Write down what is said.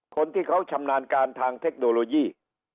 คนที่เขาชำนาญการทางเทคโนโลยี